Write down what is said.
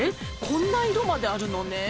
こんな色まであるのね」